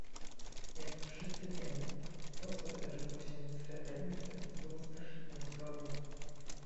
Jak wszyscy wiemy, to co wydarzyło się w Srebrenicy było straszliwą zbrodnią